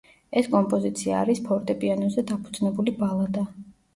ეს კომპოზიცია არის ფორტეპიანოზე დაფუძნებული ბალადა.